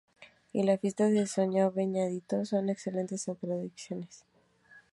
Y la fiesta de São Benedito son excelentes atracciones.